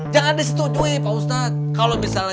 jangan disetujui pak ustadz